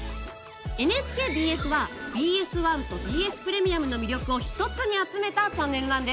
ＮＨＫＢＳはＢＳ１とＢＳプレミアムの魅力を一つに集めたチャンネルなんです。